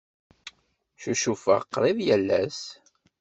Ccucufeɣ qrib yal ass.